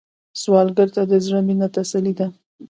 سوالګر ته د زړه مينه تسلي ده